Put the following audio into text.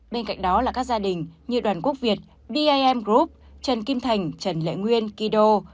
bên cạnh đó là các gia đình như đoàn quốc việt bam group trần kim thành trần lệ nguyên kido